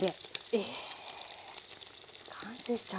え完成しちゃう。